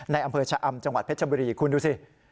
อำเภอชะอำจังหวัดเพชรบุรีคุณดูสิ